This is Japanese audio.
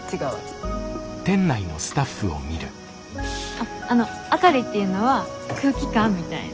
あっあの明るいっていうのは空気感みたいな。